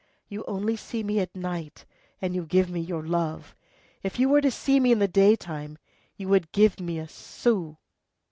You only see me at night, and you give me your love; if you were to see me in the daytime, you would give me a sou!